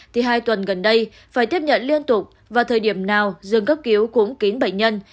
thì hai tuần gần đây phải tiếp nhận liên tục và thời điểm nào dương cấp cứu cũng kín bệnh nhân